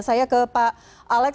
saya ke pak alex